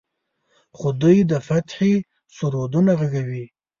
خو دوی د فتحې سرودونه غږوي.